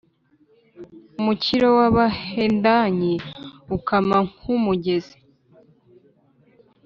Umukiro w’abahendanyi ukama nk’umugezi,